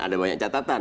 ada banyak catatan